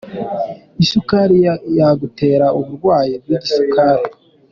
isukari yagutera uburwayi bwigisukari